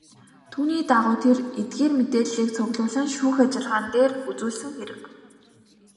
Түүний дагуу тэр эдгээр мэдээллийг цуглуулан шүүх ажиллагаан дээр үзүүлсэн хэрэг.